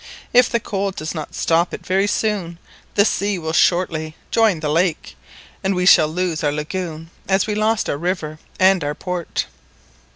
If the cold does not stop it very soon, the sea will shortly join the lake, and we shall lose our lagoon as we lost our river and our port!"